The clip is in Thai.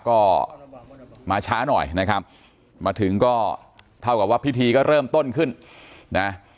ก็มาช้าหน่อยนะครับมาถึงก็เท่ากับว่าพิธีก็เริ่มต้นขึ้นนะ